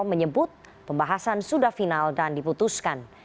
menyebut pembahasan sudah final dan diputuskan